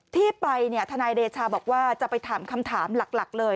ที่ไปเนี่ยทนายเดชาบอกว่าจะไปถามคำถามหลักเลย